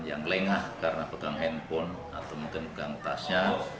yang lengah karena pegang handphone atau mungkin pegang tasnya